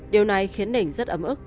điều này khiến nình rất ấm ức